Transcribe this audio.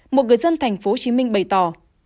một người dân tp hcm bày tỏ